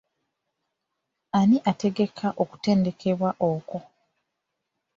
Ani ategeka okutendekebwa okwo?